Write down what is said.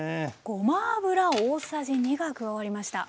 ごま油大さじ２が加わりました。